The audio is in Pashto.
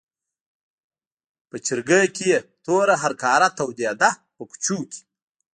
په چرګۍ کې یې توره هرکاره تودېده په کوچو کې.